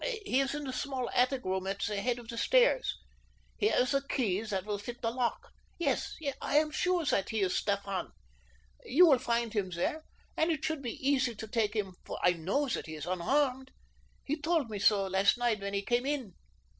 He is in the small attic room at the head of the stairs. Here is a key that will fit the lock. Yes, I am sure that he is Stefan. You will find him there, and it should be easy to take him, for I know that he is unarmed. He told me so last night when he came in."